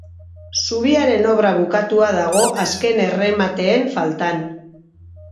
Zubiaren obra bukatua dago azken erremateen faltan.